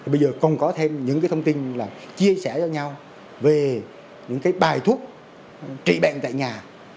bây giờ còn có thêm những thông tin là chia sẻ cho nhau về những cái bài thuốc trị bệnh tại nhà